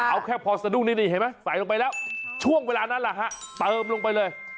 เอาแค่พอสะดุ้งนี่เห็นไหมใส่ลงไปแล้วช่วงเวลานั้นแหละฮะเติมลงไปเลย